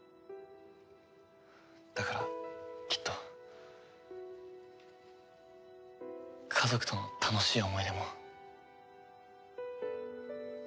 だからきっと家族との楽しい思い出も。